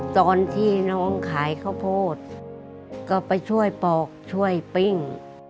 ตอนที่น้องขายข้าวโพดก็ไปช่วยปอกช่วยปิ้ง